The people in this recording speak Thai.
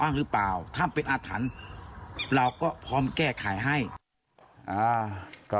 หรือเปล่าถ้าเป็นอาถรรพ์เราก็พร้อมแก้ไขให้อ่าก็